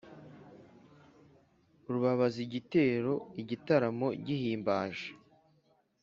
Rubabazigitero igitaramo gihimbaje